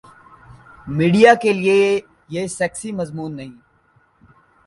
Media کیلئے یہ sexy مضمون نہیں۔